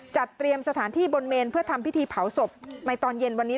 จัดเตรียมสถานที่บนเมนเพื่อทำพิธีเผาศพในตอนเย็นวันนี้